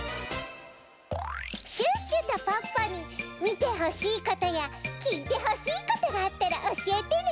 シュッシュとポッポにみてほしいことやきいてほしいことがあったらおしえてね！